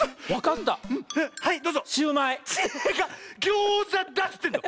ギョーザだっつってんの！